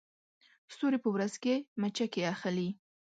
ستوري په ورځ کې مچکې اخلي